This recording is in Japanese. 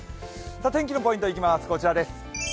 天気のポイントいきます、こちらです。